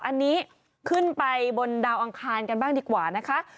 อันนี้ขึ้นไปบนดาวอังคารกันบ้างดีกว่านะคะ